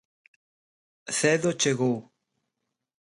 Cedo chegou.